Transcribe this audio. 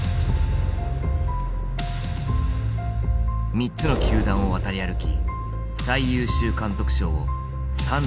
３つの球団を渡り歩き最優秀監督賞を３度受賞した名将だ。